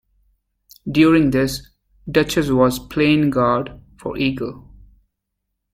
During this, "Duchess" was plane guard for "Eagle".